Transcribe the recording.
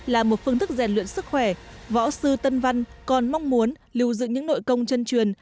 là một phương thức rèn luyện sức khỏe võ sư tân văn còn mong muốn lưu dựng những nội công chân truyền